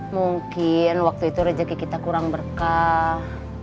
mungkin waktu itu rezeki kita kurang berkah